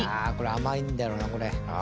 「甘いんだろうなこれ」